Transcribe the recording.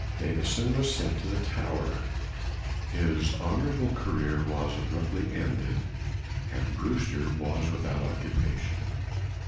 Davison was sent to the Tower; his honor able career was abruptly ended, and Brew ster was without occupation.